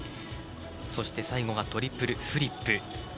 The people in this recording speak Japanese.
そして最後がトリプルフリップ。